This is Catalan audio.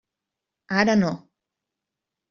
Ara no.